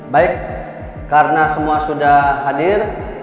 baik karena semua sudah hadir